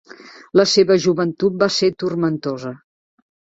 La seva joventut va ser turmentosa.